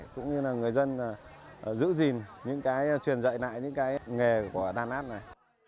cũng như là người dân giữ gìn những cái truyền dạy lại những cái nghề của đan lát này